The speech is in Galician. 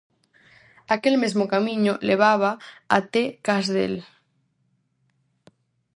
Aquel mesmo camiño levaba até cas del.